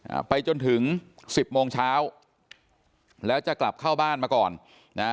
อ่าไปจนถึงสิบโมงเช้าแล้วจะกลับเข้าบ้านมาก่อนนะฮะ